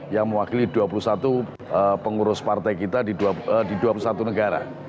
yang mewakili dua puluh satu pengurus partai kita di dua puluh satu negara